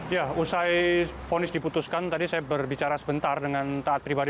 ya usai fonis diputuskan tadi saya berbicara sebentar dengan taat pribadi